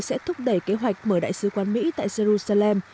sẽ thúc đẩy kế hoạch mở đại sứ quán mỹ tại jerusalem